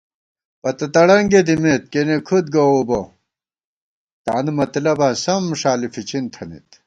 پتہ تڑنگےدِمېت، کِیَنی کُھد گوؤ بہ، تانُو مطلباں سَم ݭالی فِچِن تھنَئیت